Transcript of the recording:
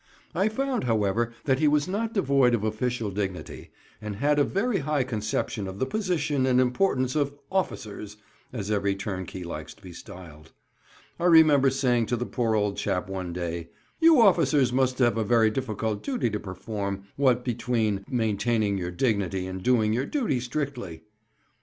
I found, however, that he was not devoid of official dignity, and had a very high conception of the position and importance of "officers," as every turnkey likes to be styled. I remember saying to the poor old chap one day, "You officers must have a very difficult duty to perform, what between maintaining your dignity and doing your duty strictly."